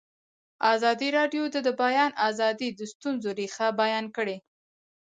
ازادي راډیو د د بیان آزادي د ستونزو رېښه بیان کړې.